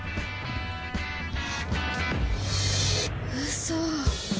嘘。